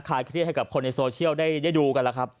เครียดให้กับคนในโซเชียลได้ดูกันแล้วครับ